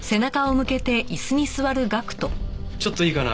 ちょっといいかな？